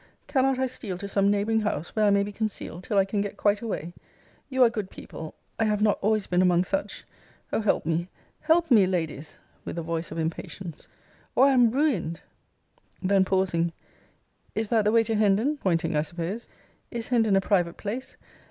Cannot I steal to some neighbouring house, where I may be concealed till I can get quite away? You are good people! I have not been always among such! O help me, help me, Ladies! [with a voice of impatience,] or I am ruined! Then pausing, Is that the way to Hendon? [pointing, I suppose.] Is Hendon a private place?